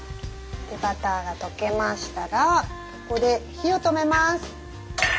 でバターが溶けましたらここで火を止めます。